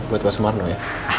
buat pak semarno ya